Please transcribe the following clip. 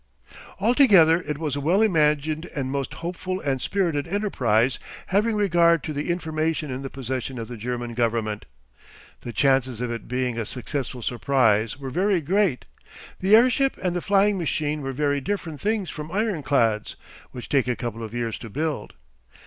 Altogether it was a well imagined and most hopeful and spirited enterprise, having regard to the information in the possession of the German government. The chances of it being a successful surprise were very great. The airship and the flying machine were very different things from ironclads, which take a couple of years to build.